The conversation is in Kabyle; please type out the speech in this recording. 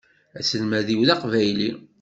Aselmad-iw d aqbayli.